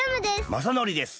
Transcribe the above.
まさのりです。